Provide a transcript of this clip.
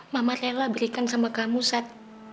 mama rela berikan sama kamu sat